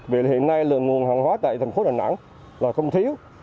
vì hiện nay là nguồn hàng hóa tại thành phố đà nẵng là không thiếu